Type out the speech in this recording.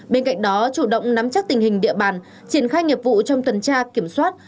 bên cạnh đó chủ động nắm chắc tình hình địa bàn triển khai nghiệp vụ trong tuần tra kiểm soát